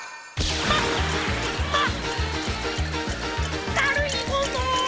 まままるいもの！